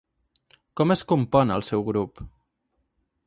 Com es compon el seu grup?